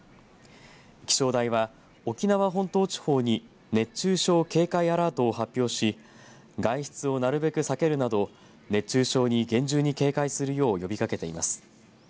気象台は沖縄本島地方に熱中症警戒アラートを発表し外出をなるべく避けるなど熱中症に厳重に警戒するよう呼びかけています。